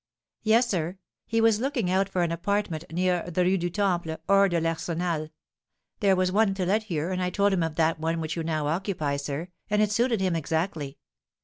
"Yes, sir, he was looking out for an apartment near the Rue du Temple or de l'Arsenal. There was one to let here, and I told him of that one which you now occupy, sir, and it suited him exactly.